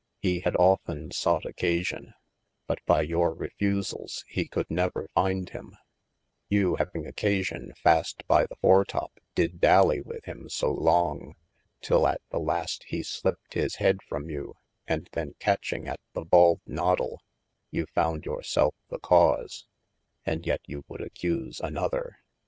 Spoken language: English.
He had often sought occasion, but by your refusals he could never find him, you having occasion fast by ye foretop, did dally with him so long, tyl at the last he sliped his head from you, & then catching at the bald noddle, you foud your selfe the cause, & yet you would accuse another.